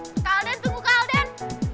kak alden tunggu kak alden